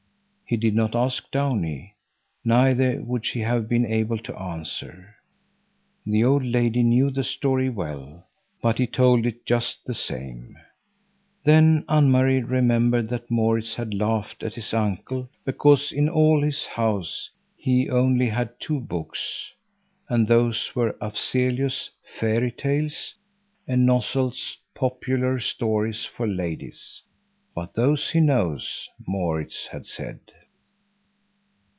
He did not ask Downie, neither would she have been able to answer. The old lady knew the story well, but he told it just the same. Then Anne Marie remembered that Maurits had laughed at his uncle because in all his house he only had two books, and those were Afzelius' "Fairy Tales" and Nösselt's "Popular Stories for Ladies." "But those he knows," Maurits had said.